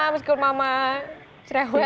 meskipun mama cerewet